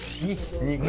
２。